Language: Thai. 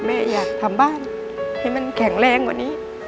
แม่อยากทำบ้านให้มันแข็งแรงกว่านี้